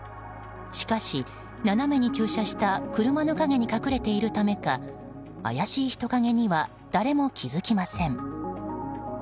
しかし、斜めに駐車した車の陰に隠れているためか怪しい人影には誰も気づきません。